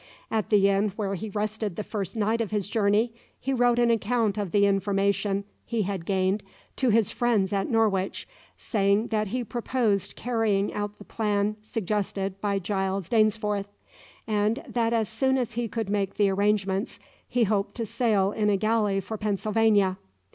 At the inn where he rested the first night of his journey, he wrote an account of the information he had gained to his friends at Norwich, saying that he proposed carrying out the plan suggested by Giles Dainsforth, and that as soon as he could make the arrangements he hoped to sail in a galley for Pennsylvania.